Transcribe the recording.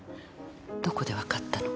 どこでわかったの？